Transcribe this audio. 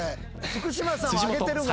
福島さんは上げてるもん。